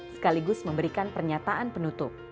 sekaligus memberikan pernyataan penutup